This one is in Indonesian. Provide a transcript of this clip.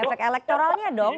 efek elektoralnya dong